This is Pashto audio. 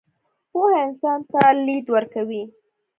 پوهه انسان ته لید ورکوي.